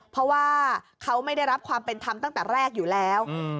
เพราะว่าเขาไม่ได้รับความเป็นธรรมตั้งแต่แรกอยู่แล้ว